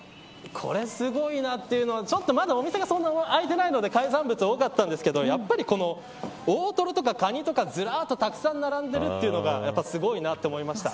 これすごいなっていうのはちょっとまだお店がそんなに開いてないので海産物が多かったんですけどやっぱり、大トロとかカニとかずらっとたくさん並んでいるのがすごいなと思いました。